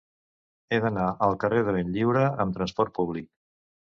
He d'anar al carrer de Benlliure amb trasport públic.